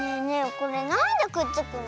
これなんでくっつくの？